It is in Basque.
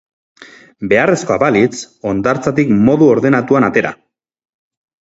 Beharrezkoa balitz, hondartzatik modu ordenatuan atera.